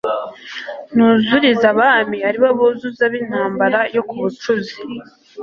Nuzurize Abami ari bo buzuza b'intambara yo ku Bucuzi